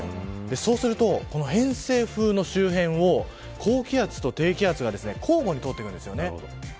そうすると、偏西風の周辺を高気圧と低気圧が交互に通っていきます。